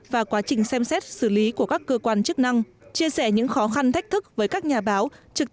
và quá trình xem xét xử lý của các cơ quan chức năng chia sẻ những khó khăn thách thức với các nhà báo